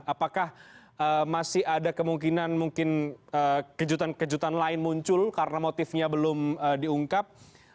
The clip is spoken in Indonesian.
apakah masih ada kemungkinan mungkin kejutan kejutan lain muncul karena motifnya belum diungkap